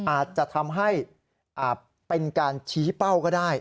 อาจจะทำให้อาจเป็นการชี้เป้าก็ได้